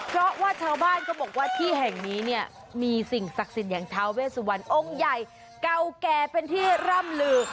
เพราะว่าชาวบ้านเขาบอกว่าที่แห่งนี้เนี่ยมีสิ่งศักดิ์สิทธิ์อย่างท้าเวสวันองค์ใหญ่เก่าแก่เป็นที่ร่ำลือ